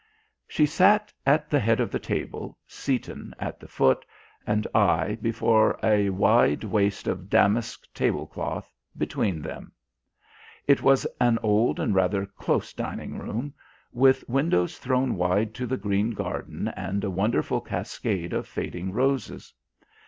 She sat at the head of the table, Seaton at the foot, and I, before a wide waste of damask tablecloth, between them. It was an old and rather close dining room, with windows thrown wide to the green garden and a wonderful cascade of fading roses.